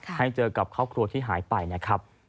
ให้เจอกับครอบครัวที่หายไปนะครับ